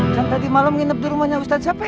kan tadi malam nginep di rumahnya ustadz sapi